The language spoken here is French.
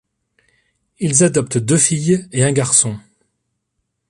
Ils adoptent deux filles et un garçon.